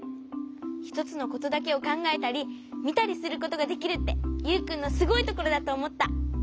ひとつのことだけをかんがえたりみたりすることができるってユウくんのすごいところだとおもった。